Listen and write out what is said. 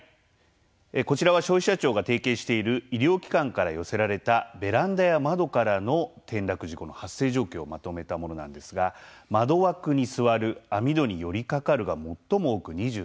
こちらは消費者庁が提携している医療機関から寄せられたベランダや窓からの転落事故の発生状況をまとめたものなんですが窓枠に座る、網戸に寄りかかるが最も多く２３％。